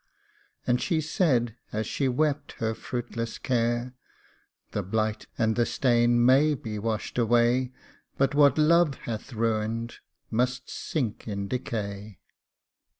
And she said, as she wept her fruitless care, " The blight and the stain may be washed away, But what Love hath ruined must sink in decay."